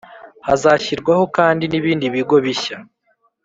Hazashyirwaho kandi n ibindi bigo bishya